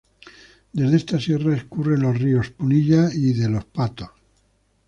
Desde esta sierra escurren los ríos Punilla y de los Patos.